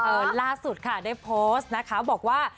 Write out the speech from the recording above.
ล่าสุดค่ะได้โพสต์นะคะบอกว่า